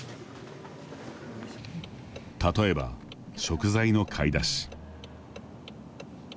例えば、食材の買い出し。